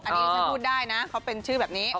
อันนี้ที่ฉันพูดได้นะเขาเป็นชื่อแบบนี้